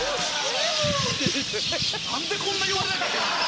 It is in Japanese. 何でこんな言われなきゃいけないの？